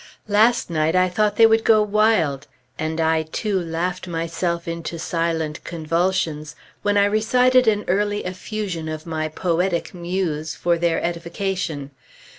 Last night I thought they would go wild, and I too laughed myself into silent convulsions, when I recited an early effusion of my poetic muse for their edification.